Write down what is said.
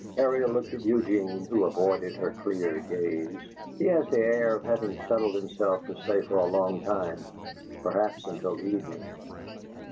Ariel looked at Eugene, who avoided her clear gaze. "He has the air of having settled himself to stay for a long time, perhaps until evening."